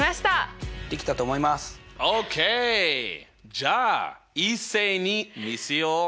じゃあ一斉に見せよう。